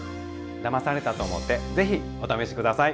だまされたと思ってぜひお試し下さい。